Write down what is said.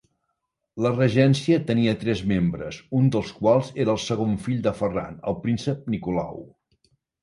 La regència tenia tres membres, un dels quals era el segon fill de Ferran, el príncep Nicolau.